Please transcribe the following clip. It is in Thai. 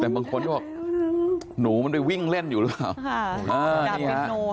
แต่บางคนก็บอกหนูมันไปวิ่งเล่นอยู่หรือเปล่า